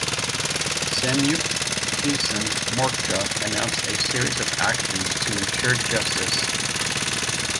Samyukt Kisan Morcha announced a series of actions to ensure justice.